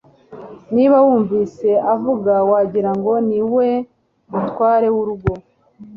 niba wumvise avuga, wagira ngo niwe mutware wurugo